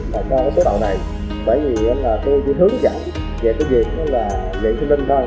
lúc đó ông thầy nói là tôi không trực tiếp